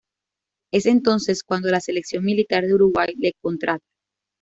Es entonces, cuando la Selección Militar de Uruguay le contrata.